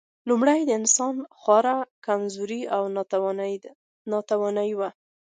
لومړني انسانان خورا کمزوري او ناتوانه وو.